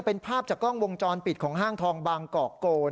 เป็นภาพจากกล้องวงจรปิดของห้างทองบางกอกโกน